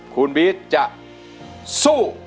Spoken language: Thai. คุณบริสจะสู้